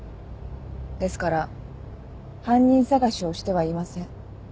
ですから犯人捜しをしてはいません。